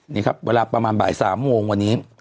นี่ครับเวลาประมาณบ่าย๓โมงวันนี้